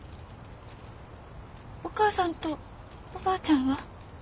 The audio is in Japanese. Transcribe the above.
お母さんとおばあちゃんは？